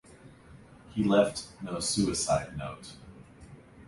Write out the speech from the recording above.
He left no suicide note.